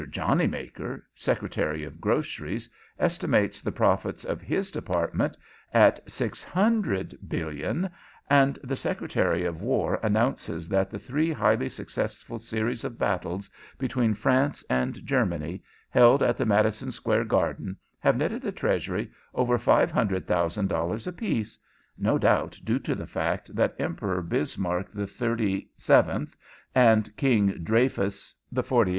Johnneymaker, Secretary of Groceries, estimates the profits of his department at $600,000,000,000, and the Secretary of War announces that the three highly successful series of battles between France and Germany held at the Madison Square Garden have netted the Treasury over $500,000 apiece no doubt due to the fact that Emperor Bismarck XXXVII. and King Dreyfus XLVIII.